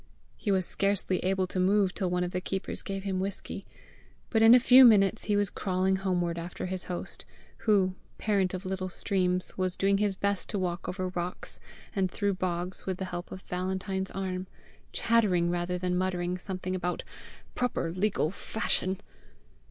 He was scarcely able to move till one of the keepers gave him whisky, but in a few minutes he was crawling homeward after his host, who, parent of little streams, was doing his best to walk over rocks and through bogs with the help of Valentine's arm, chattering rather than muttering something about "proper legal fashion."